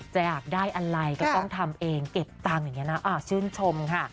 อยากได้อะไรก็ต้องทำเองเก็บตังค์อย่างนี้นะชื่นชมค่ะ